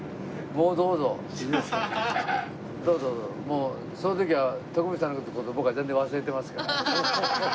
もうその時は徳光さんの事僕は全然忘れてますけどね。